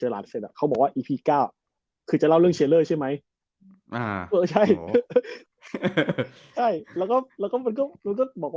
เมื่อกี้เนี่ยเค้ามาพูดหลังจากที่เห็นแอปโอซท์เจอหลักเสร็จ